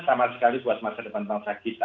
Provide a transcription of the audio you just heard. sama sekali buat masa depan bangsa kita